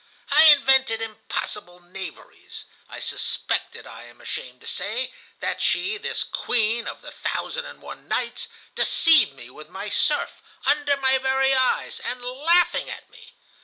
"I invented impossible knaveries. I suspected, I am ashamed to say, that she, this queen of 'The Thousand and One Nights,' deceived me with my serf, under my very eyes, and laughing at me.